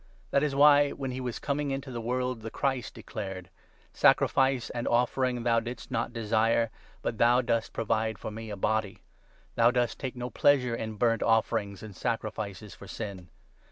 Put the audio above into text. That is why, when he was coming into the world, 5 the Christ declared —' Sacrifice and offering thou dost not desire, but thou dost pro vide for me a body ; Thou dost take no pleasure in burnt offerings and sacrifices 6 for sin.